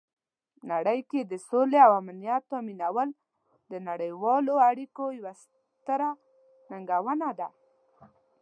نړۍ کې د سولې او امنیت تامینول د نړیوالو اړیکو یوه ستره ننګونه ده.